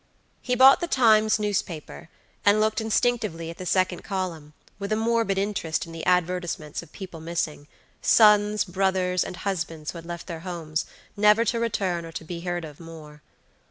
He bought the Times newspaper, and looked instinctively at the second column, with a morbid interest in the advertisements of people missingsons, brothers, and husbands who had left their homes, never to return or to be heard of more.